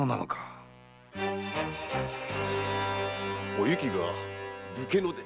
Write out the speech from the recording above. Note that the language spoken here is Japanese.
おゆきが武家の出？